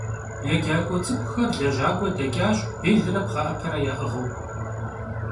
Yêcak'ue ts'ık'uxer lejak'ue deç'aş, bêlre pxhe'epere ya'ığıu.